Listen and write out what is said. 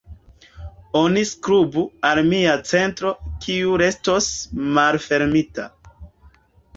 Oni skribu al mia centro kiu restos malfermita.